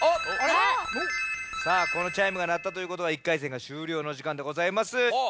このチャイムがなったということは１回戦がしゅうりょうのじかんでございます。